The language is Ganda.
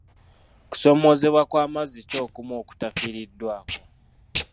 Kusoomoozebwa kw'amazzi ki okumu okutafiiriddwako?